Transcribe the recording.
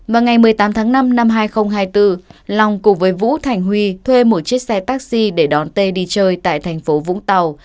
vào ngày một mươi tám tháng năm năm hai nghìn hai mươi bốn long cùng với vũ thành huy thuê một chiếc xe taxi để đón t đi chơi tại thành phố vũng tàu